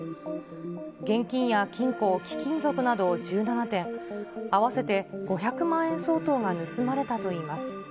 現金や金庫、貴金属など１７点、合わせて５００万円相当が盗まれたといいます。